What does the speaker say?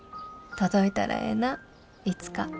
届いたらええなあいつか。